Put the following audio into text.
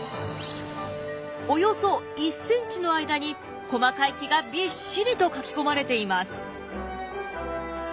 およそ１ｃｍの間に細かい毛がびっしりと描き込まれています。